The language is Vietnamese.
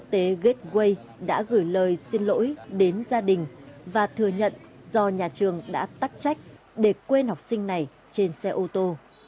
cháu bé đã gửi lời xin lỗi đến gia đình và thừa nhận do nhà trường đã tắt trách để quên học sinh này trên xe ô tô